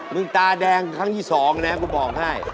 มึงตาแดงครั้งที่สองนะครับกูบอกให้